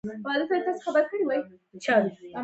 په مونټریکس کې ډېر ښکلي کاناډایي توبوګان لرګي پیدا کېږي.